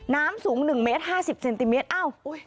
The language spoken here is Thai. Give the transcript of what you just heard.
น้ำสูง๑เมตร๕๐เซนติเมตรอ้าว